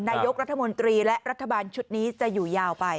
นายกรัฐมนตรีและรัฐบาลชุดนี้จะอยู่ยาวไป